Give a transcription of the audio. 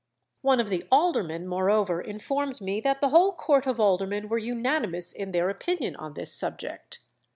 One of the aldermen, moreover, informed me that the whole court of aldermen were unanimous in their opinion on this subject.